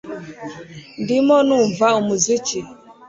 Ndimo numva umuziki